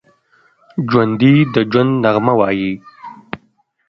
ژوندي د ژوند نغمه وايي